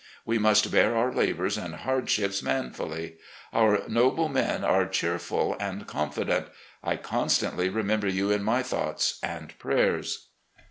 We must bear our labours and hardships manfully. Our noble men are cheerful and confident. I constantly remember you in my thoughts and prayers."